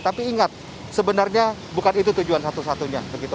tapi ingat sebenarnya bukan itu tujuan satu satunya